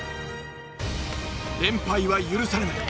連敗は許されない。